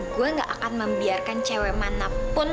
gue gak akan membiarkan cewek manapun